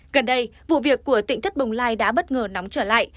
gần đây vụ việc của tỉnh thất bồng lai đã bất ngờ nóng trở lại